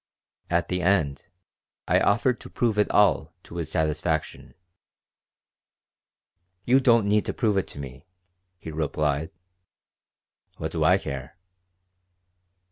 At the end I offered to prove it all to his satisfaction "You don't need to prove it to me," he replied. "What do I care?"